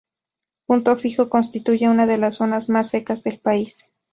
Punto Fijo constituye una de las zonas más secas del país.